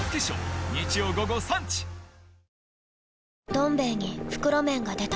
「どん兵衛」に袋麺が出た